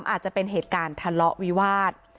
อาจจะเป็นเหตุการณ์ทะเลาะวิวาส